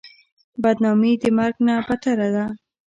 بدنامي د مرګ نه بدتره ده.